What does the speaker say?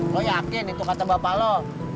lo yakin itu kata bapak lo